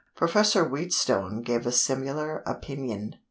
Professor Wheatstone gave a similar opinion.